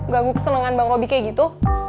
ganggu kesenangan bang robi kayak gitu